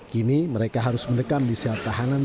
kini mereka harus menekam di sel tahanan satu